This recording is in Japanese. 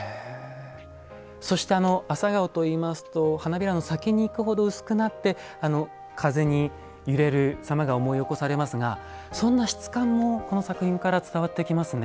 そして朝顔といいますと花びらの先にいくほど薄くなって風に揺れるさまが思い起こされますがそんな質感もこの作品から伝わってきますね。